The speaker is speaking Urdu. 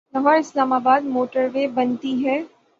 Lahore Islamabad motorway بنتی ہے۔